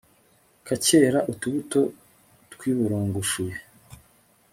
kakera utubuto twiburungushuye